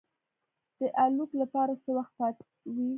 د الوت لپاره څه وخت پاتې و.